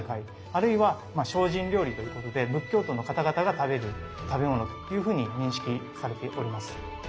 あるいは精進料理ということで仏教徒の方々が食べる食べ物というふうに認識されております。